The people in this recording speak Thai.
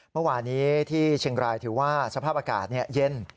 เมื่อวานี้ที่เชียงรายถือว่าสภาพอากาศเย็น